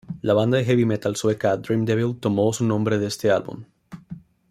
La banda de heavy metal sueca Dream Evil tomó su nombre de este álbum.